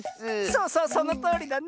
そうそうそのとおりだね。